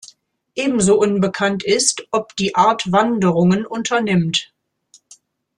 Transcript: Ebenso unbekannt ist, ob die Art Wanderungen unternimmt.